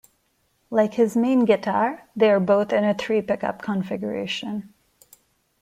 Like his main guitar they are both in a three-pickup configuration.